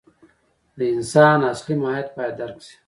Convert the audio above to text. د انسان اصلي ماهیت باید درک شي.